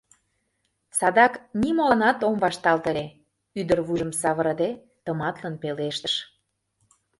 — Садак нимоланат ом вашталте ыле, — ӱдыр, вуйжым савырыде, тыматлын пелештыш.